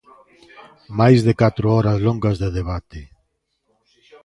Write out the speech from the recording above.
Máis de catro horas longas de debate.